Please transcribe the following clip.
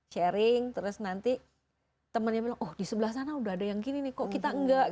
sharing terus nanti temennya bilang oh di sebelah sana udah ada yang gini nih kok kita enggak